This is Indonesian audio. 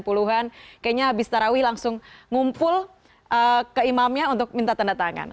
kayaknya habis tarawih langsung ngumpul ke imamnya untuk minta tanda tangan